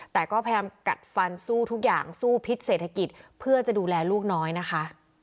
แต่ก็พยายามกัดฟันสู้ทุกอย่างสู้พิษเศรษฐกิจเพื่อจะดูแลลูกน้อยนะคะ